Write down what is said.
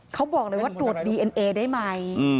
เขาบอกเลยว่าตรวจดีเอ็นเอได้ไหม